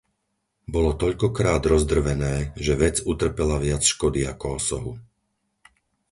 Bolo toľkokrát rozdrvené, že vec utrpela viac škody ako osohu.